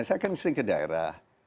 saya kan sering ke daerah